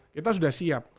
kita sudah siap